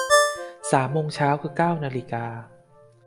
สามโมงเช้า คือเก้านาฬิกา